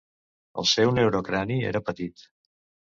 El seu neurocrani era petit.